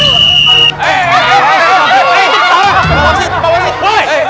itu parah tuh